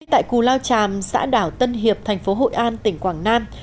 tại cù lao tràm xã đảo tân hiệp thành phố hội an tỉnh quảng nam